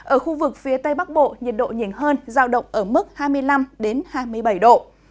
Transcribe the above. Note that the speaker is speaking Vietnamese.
ở khu vực phía tây bắc bộ nhiệt độ nhìn hơn giao động ở mức hai mươi năm hai mươi bảy độ